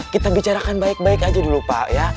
kita bicarakan baik baik aja dulu pak ya